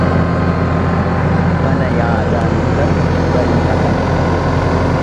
Mana yaadaan bulan barii dhaqan.